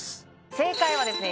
正解はですね